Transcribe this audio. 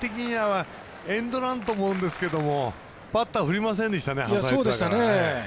エンドランと思うんですけどバッター振りませんでしたね。